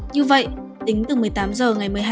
như vậy tính từ một mươi tám h ngày một mươi năm h